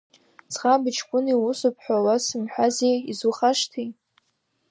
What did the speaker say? Ӡӷаби ҷкәыни усуп ҳәа уасымҳәази, изухашҭи?